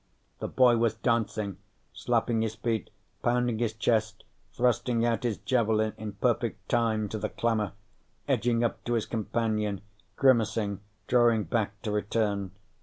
The boy was dancing, slapping his feet, pounding his chest, thrusting out his javelin in perfect time to the clamor, edging up to his companion, grimacing, drawing back to return.